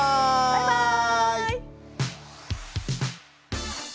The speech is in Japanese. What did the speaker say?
バイバーイ！